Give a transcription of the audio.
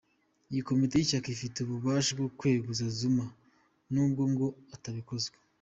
Iyi Komite y’ishyaka ifite ububasha bwo kweguza Zuma, nubwo ngo atabikozwa.